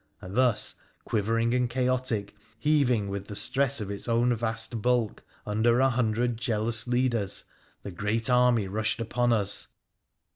And thus — quivering and chaotic, heaving with the stress of its own vast bulk — under a hundred jealous leaders, the great army rushed upon us.